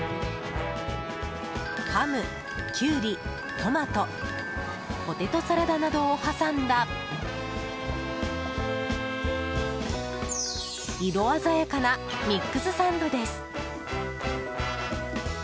ハム、キュウリ、トマトポテトサラダなどを挟んだ色鮮やかなミックスサンドです。